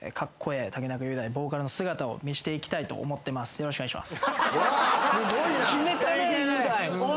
よろしくお願いします。